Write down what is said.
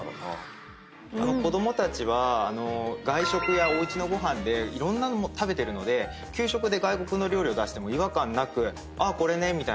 子供たちは外食やおうちのご飯でいろんなの食べてるので給食で外国の料理を出しても違和感なく「ああこれね」みたいな感じなんですね。